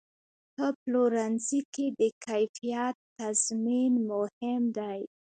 په پلورنځي کې د کیفیت تضمین مهم دی.